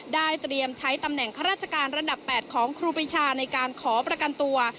เตรียมใช้ตำแหน่งข้าราชการระดับ๘ของครูปีชาในการขอประกันตัว